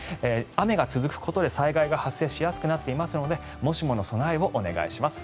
雨が続くことで災害が発生しやすくなっていますのでもしもの備えをお願いします。